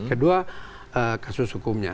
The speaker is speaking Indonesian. kedua kasus hukumnya